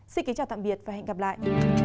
xin kính chào tạm biệt và hẹn gặp lại